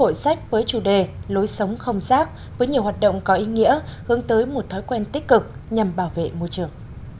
hội sách với chủ đề lối sống không rác với nhiều hoạt động có ý nghĩa hướng tới một thói quen tích cực nhằm bảo vệ môi trường